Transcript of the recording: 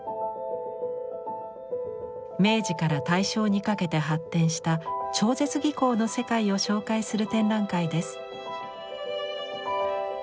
明治から大正にかけて発展した超絶技巧の世界を紹介する展覧会です。